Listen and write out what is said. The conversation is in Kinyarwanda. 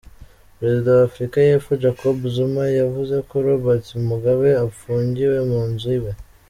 Perezida wa Afrika Yepfo Jacob Zuma yavuze ko Robert Mugabe apfungiwe mu nzu iwe.